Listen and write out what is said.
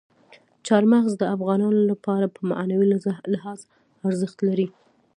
چار مغز د افغانانو لپاره په معنوي لحاظ ارزښت لري.